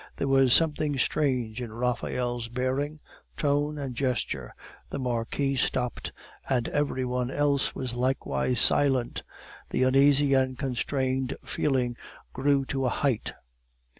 There was something strange in Raphael's bearing, tone, and gesture; the Marquis stopped, and every one else was likewise silent. The uneasy and constrained feeling grew to a height.